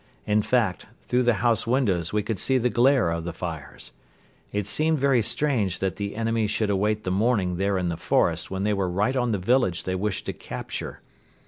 In fact, through the house windows we could see the glare of the fires. It seemed very strange that the enemy should await the morning there in the forest when they were right on the village they wished to capture.